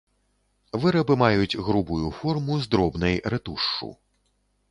Вырабы маюць грубую форму з дробнай рэтушшу.